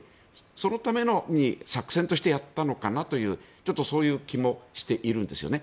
そのために作戦としてやったのかなというちょっとそういう気もしているんですよね。